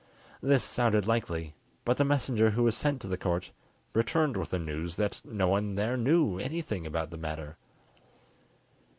This sounded likely, but the messenger who was sent to the Court returned with the news that no one there knew anything about the matter.